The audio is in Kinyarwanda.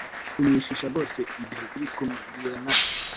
unyishisha rwose igihe turikumwe bwira mwana